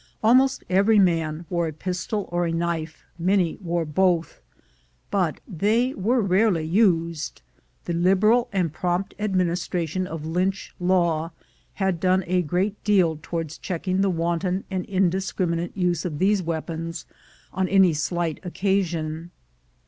Almost every man wore a pistol or a knife — many wore both — but they were rarely used. The liberal and prompt administration of Lynch law had done a great deal towards checking the wanton and indiscriminate use of these weapons on any slight oc casion.